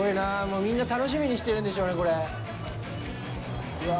もう、みんな、楽しみにしてるんでしょうね、これ。